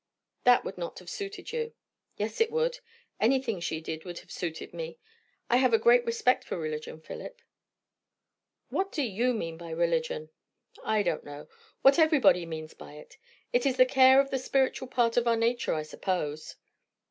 "That would not have suited you." "Yes, it would. Anything she did would have suited me. I have a great respect for religion, Philip." "What do you mean by religion?" "I don't know what everybody means by it. It is the care of the spiritual part of our nature, I suppose."